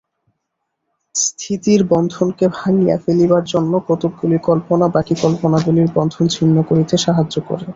স্থিতির বন্ধনকে ভাঙিয়া ফেলিবার জন্য কতকগুলি কল্পনা বাকী কল্পনাগুলির বন্ধন ছিন্ন করিতে সাহায্য করে।